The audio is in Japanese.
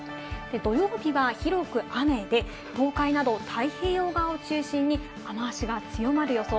土曜日は広く雨で、東海など太平洋側を中心に雨足が強まる予想。